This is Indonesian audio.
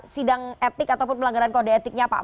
sidang etik ataupun pelanggaran kode etiknya pak